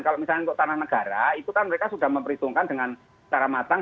kalau misalnya untuk tanah negara itu kan mereka sudah memperhitungkan dengan cara matang